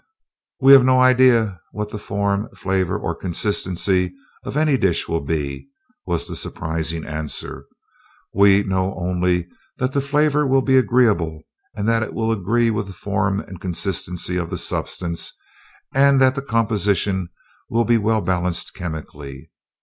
"We have no idea what the form, flavor, or consistency of any dish will be," was the surprising answer. "We know only that the flavor will be agreeable and that it will agree with the form and consistency of the substance, and that the composition will be well balanced chemically.